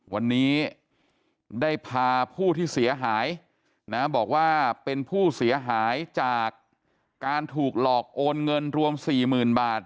วันนี้ได้พาผู้ที่เสียหายนะบอกว่าเป็นผู้เสียหายจากการถูกหลอกโอนเงินรวม๔๐๐๐บาท